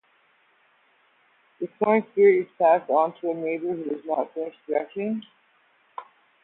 The corn spirit is passed on to a neighbor who has not finished threshing.